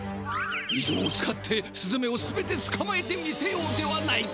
いじょうを使ってスズメを全てつかまえてみせようではないか。